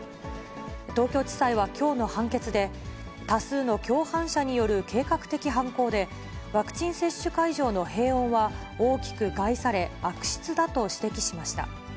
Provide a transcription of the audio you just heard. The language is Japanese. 東京地裁はきょうの判決で、多数の共犯者による計画的犯行で、ワクチン接種会場の平穏は大きく害され、悪質だと指摘しました。